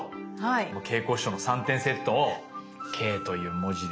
もう桂子師匠の３点セットを「Ｋ」という文字で。